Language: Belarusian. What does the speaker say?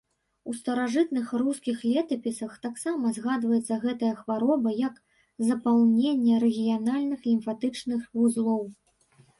У старажытных рускіх летапісах таксама згадваецца гэтая хвароба як запаленне рэгіянальных лімфатычных вузлоў.